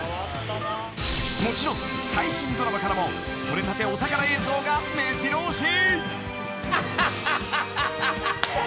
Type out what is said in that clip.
［もちろん最新ドラマからもとれたてお宝映像がめじろ押し］